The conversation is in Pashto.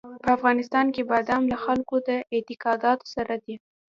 په افغانستان کې بادام له خلکو له اعتقاداتو سره دي.